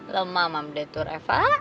lemah mamde tureva